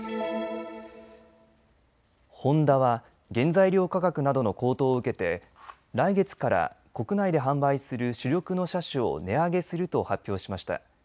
ホンダは原材料価格などの高騰を受けて来月から国内で販売する主力の車種を値上げすると発表しました。